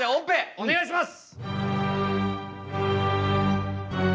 お願いします。